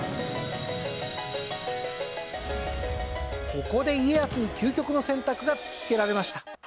ここで家康に究極の選択が突きつけられました。